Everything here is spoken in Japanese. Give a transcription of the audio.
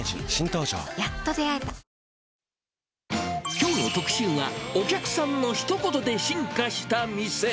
きょうの特集は、お客さんのひと言で進化した店。